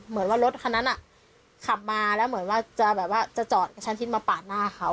เหมือนว่ารถคันนั้นขับมาแล้วเหมือนว่าจะแบบว่าจะจอดกระชั้นชิดมาปาดหน้าเขา